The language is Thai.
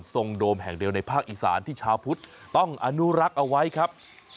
โดมแห่งเดียวในภาคอีสานที่ชาวพุทธต้องอนุรักษ์เอาไว้ครับ